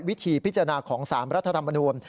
วิธีพิจารณาของ๓รัฐธรรมนูล